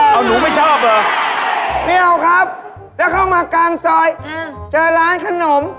เอาหนูไม่ชอบเหรอไม่เอาครับแล้วเข้ามากลางซอยเจอร้านขนม